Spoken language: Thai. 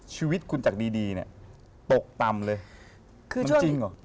ชีวิตคุณจากดีตกต่ำเลยมันจริงเหรอ